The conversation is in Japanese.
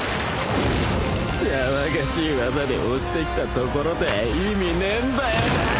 騒がしい技で押してきたところで意味ねえんだよなぁ